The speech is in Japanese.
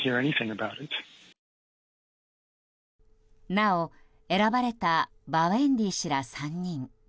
なお、選ばれたバウェンディ氏ら３人。